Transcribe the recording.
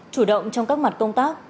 chủ động trong các mặt công tác